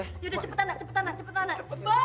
yaudah cepetan nak cepetan nak